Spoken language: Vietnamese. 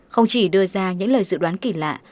không chỉ đưa ra những lời dự đoán kỳ lạ